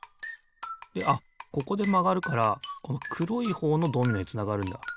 であっここでまがるからこのくろいほうのドミノへつながるんだ。